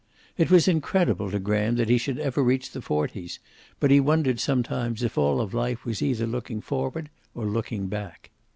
It was incredible to Graham that he should ever reach the forties, but he wondered some times if all of life was either looking forward or looking back.